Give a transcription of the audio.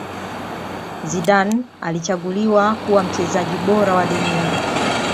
Zidane alichaguliwe kuwa mchezaji bora wa dunia